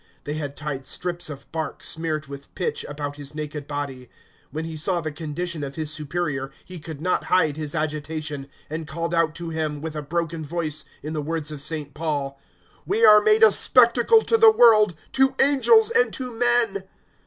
They had tied strips of bark, smeared with pitch, about his naked body. When he saw the condition of his Superior, he could not hide his agitation, and called out to him, with a broken voice, in the words of Saint Paul, "We are made a spectacle to the world, to angels, and to men."